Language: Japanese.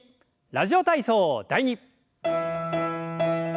「ラジオ体操第２」。